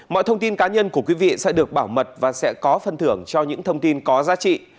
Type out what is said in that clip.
mọi thông tin cá nhân của quý vị sẽ được bảo mật và sẽ có phân thưởng cho những thông tin có giá trị